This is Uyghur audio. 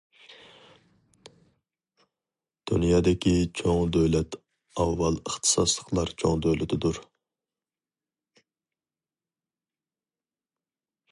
دۇنيادىكى چوڭ دۆلەت ئاۋۋال ئىختىساسلىقلار چوڭ دۆلىتىدۇر.